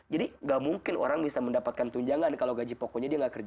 jadi gak mungkin orang bisa mendapatkan tunjangan kalau gaji pokoknya dia gak kerjakan